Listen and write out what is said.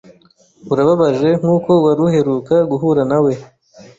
Urababaje nkuko wari uheruka guhura nawe.